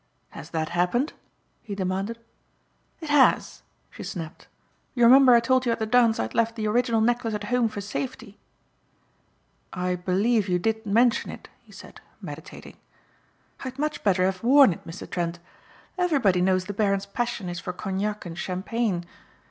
"Has that happened?" he demanded. "It has," she snapped. "You remember I told you at the dance I had left the original necklace at home for safety?" "I believe you did mention it," he said, meditating. "I'd much better have worn it, Mr. Trent. Everybody knows the Baron's passion is for cognac and champagne.